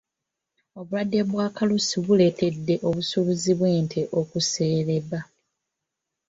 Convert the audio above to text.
Obulwadde bwa kalusu buleetedde obusuubuzi bw’ente okusereba.